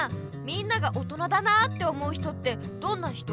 みんなが「大人だな」って思う人ってどんな人？